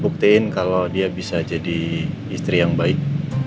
buktiin kalau dia bisa jadi istri yang baik